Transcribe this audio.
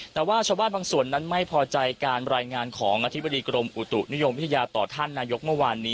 แต่ว่าชาวบ้านบางส่วนนั้นไม่พอใจการรายงานของอธิบดีกรมอุตุนิยมวิทยาต่อท่านนายกเมื่อวานนี้